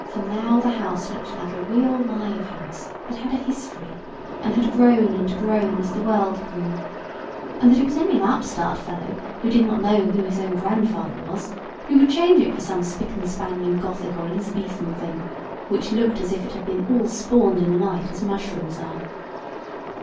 For now the house looked like a real live house, that had a history, and had grown and grown as the world grew; and that it was only an upstart fellow who did not know who his own grandfather was, who would change it for some spick and span new Gothic or Elizabethan thing, which looked as if it bad been all spawned in a night, as mushrooms are.